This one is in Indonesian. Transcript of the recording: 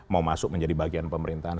mau masuk menjadi bagian pemerintahan